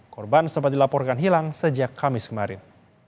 korban sempat dilaporkan hilang sejak kamis kemarin